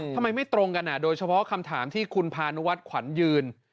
ทำไมไม่ตรงกันโดยเฉพาะคำถามที่คุณพานุวัฒน์ขวัญยืน